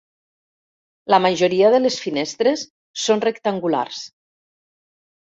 La majoria de les finestres són rectangulars.